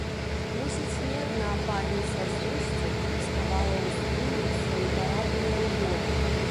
Мусіць, не адна пані са злосцю схавала ў скрыню свае парадныя ўборы.